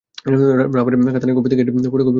রাবাতের কাতানীর কপি থেকে এটি ফটো কপি করা হয়েছে।